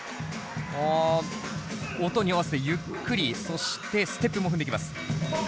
お音に合わせてゆっくりそしてステップも踏んできます。